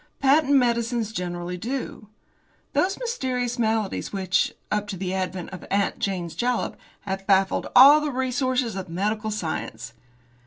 Patent medicines generally do. Those mysterious maladies which, up to the advent of 'Aunt Jane's Jalap,' have baffled all the resources of medical science.